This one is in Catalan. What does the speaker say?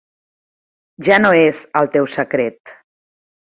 Ja no és el teu secret.